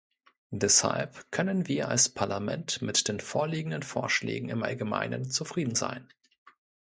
Deshalb können wir als Parlament mit den vorliegenden Vorschlägen im allgemeinen zufrieden sein.